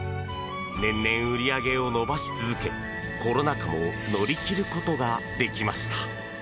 年々、売り上げを伸ばし続けコロナ禍も乗り切ることができました。